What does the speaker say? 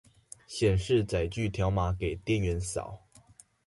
顯示載具條碼給店員掃